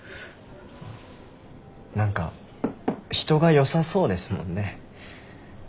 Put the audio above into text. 何か人が良さそうですもんね。